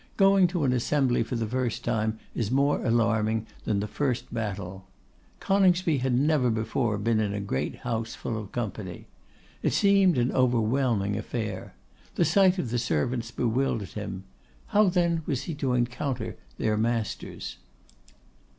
Going to an assembly for the first time is more alarming than the first battle. Coningsby had never before been in a great house full of company. It seemed an overwhelming affair. The sight of the servants bewildered him; how then was he to encounter their masters?